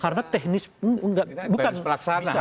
karena teknis pelaksanaan